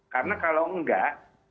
karena kalau enggak